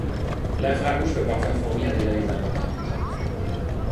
L'infrarouge peut parfois fournir des données importantes.